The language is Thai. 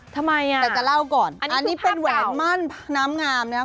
ทำไมน่ะอันนี้คือภาพเก่าแต่จะเล่าก่อนอันนี้เป็นแหวนมั่นน้ำงามนะครับ